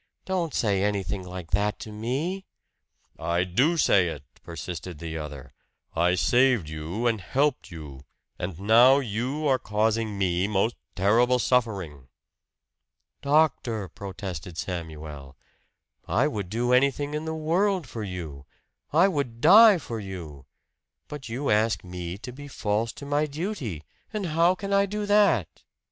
"Don't say anything like that to me!" "I do say it!" persisted the other. "I saved you and helped you; and now you are causing me most terrible suffering!" "Doctor," protested Samuel, "I would do anything in the world for you I would die for you. But you ask me to be false to my duty; and how can I do that?"